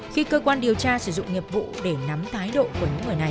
khi cơ quan điều tra sử dụng nghiệp vụ để nắm thái độ của những người này